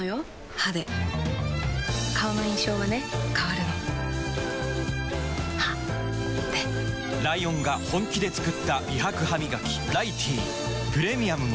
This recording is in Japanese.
歯で顔の印象はね変わるの歯でライオンが本気で作った美白ハミガキ「ライティー」プレミアムも